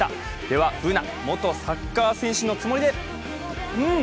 ではＢｏｏｎａ、元サッカー選手のつもりで！